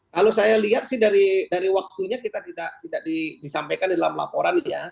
kalau saya lihat sih dari waktunya kita tidak disampaikan dalam laporan ya